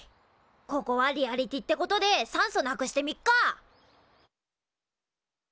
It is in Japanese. ここはリアリティーってことで酸素なくしてみっか！